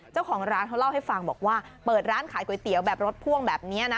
เจ้าของร้านเขาเล่าให้ฟังบอกว่าเปิดร้านขายก๋วยเตี๋ยวแบบรถพ่วงแบบนี้นะ